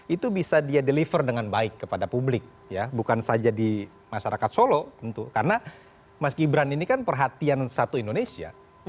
itu bisa dia deliver dengan baik kepada publik ya bukan saja di masyarakat solo tentu karena mas gibran ini kan perhatian satu indonesia